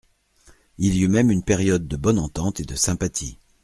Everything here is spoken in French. Il y eut même une période de bonne entente et de sympathie.